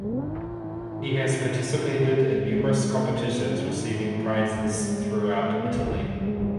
He has participated in numerous competitions receiving prizes throughout Italy.